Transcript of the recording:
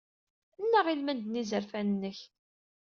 Nnaɣ i lmend n yizerfan-nnek.